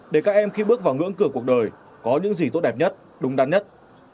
để các em khi bước vào ngưỡng cửa cuộc đời có những gì tốt đẹp nhất đúng đắn nhất